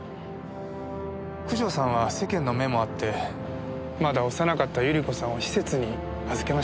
九条さんは世間の目もあってまだ幼かった百合子さんを施設に預けました。